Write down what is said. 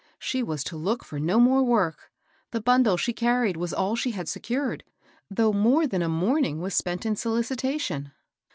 She was to look for no more work ; the bundle she carried was*all she had secured, though more than a morning was spent in soKcitation.